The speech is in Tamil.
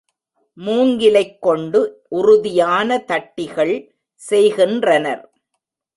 மூங்கிலைக் கொண்டு உறுதியான தட்டி கள் செய்கின்றனர்.